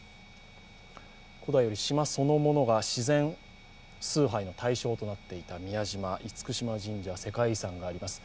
古代より島そのものが自然崇拝の対象となっていた宮島厳島神社、世界遺産があります。